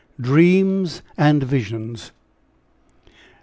DREAMS AND VISIONS.